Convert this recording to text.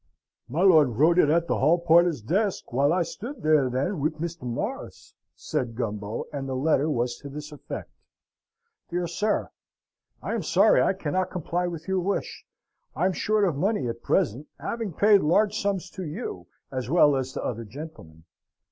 "My lord wrote it at the hall porter's desk, while I stood there then with Mr Mr. Morris," said Gumbo, and the letter was to this effect: "DEAR SIR I am sorry I cannot comply with your wish, I'm short of money at present, having paid large sums to you as well as to other gentlemen.